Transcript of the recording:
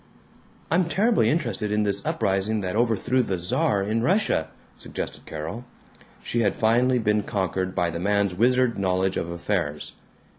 "I'm terribly interested in this uprising that overthrew the Czar in Russia," suggested Carol. She had finally been conquered by the man's wizard knowledge of affairs.